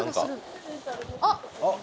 あっ！